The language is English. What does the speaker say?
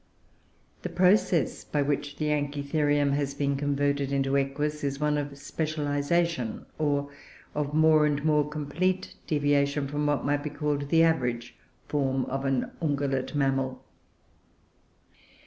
The process by which the Anchitherium has been converted into Equus is one of specialisation, or of more and more complete deviation from what might be called the average form of an ungulate mammal.